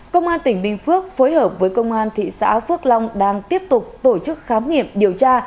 công an tỉnh bình phước phối hợp với công an thị xã phước long đang tiếp tục tổ chức khám nghiệm điều tra